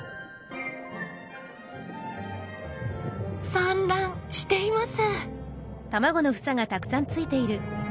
産卵しています！